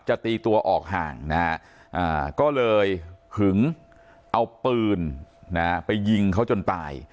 ตีตัวออกห่างนะฮะก็เลยหึงเอาปืนไปยิงเขาจนตาย